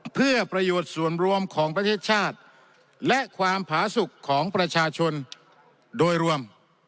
เพื่อประโยชน์ส่วนรวมของประเทศชาติและความผาสุขของประชาชนโดยรวม